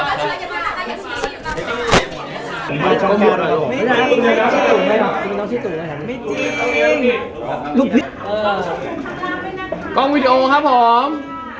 กล้องวีดีโอครับผม